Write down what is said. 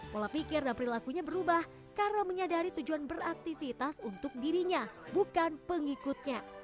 pola pikir dan perilakunya berubah karena menyadari tujuan beraktivitas untuk dirinya bukan pengikutnya